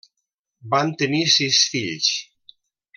Van tenir sis fills.